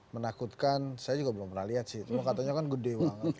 menakutkan saya juga belum pernah lihat sih cuma katanya kan gede banget